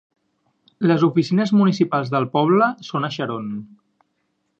Les oficines municipals del poble són a Sharon.